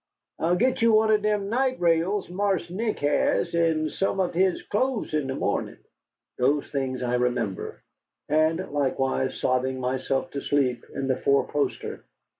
I'll git you one o' dem night rails Marse Nick has, and some ob his'n close in de mawnin'." These things I remember, and likewise sobbing myself to sleep in the four poster.